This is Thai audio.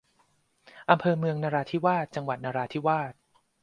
อำเภอเมืองนราธิวาส จังหวัดนราธิวาส